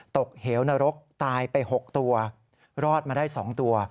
เหวนรกตายไป๖ตัวรอดมาได้๒ตัว